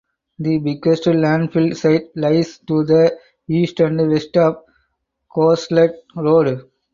The biggest landfill site lies to the east and west of Corselet Road.